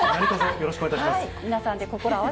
よろしくお願いします。